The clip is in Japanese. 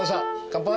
乾杯。